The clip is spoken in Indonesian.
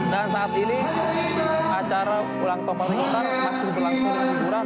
dan saat ini acara ulang topeng lutar masih berlangsung di jodoh